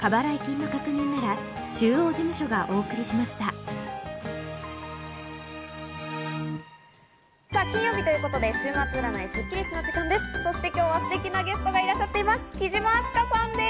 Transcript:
では関東の金曜日ということで週末占いスッキりすの時間です。